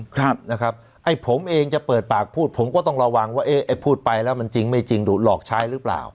ครับนะครับไอ้ผมเองจะเปิดปากพูดผมก็ต้องระวังว่าเอ๊ะไอ้พูดไปแล้วมันจริงไม่จริงดูหลอกใช้หรือเปล่า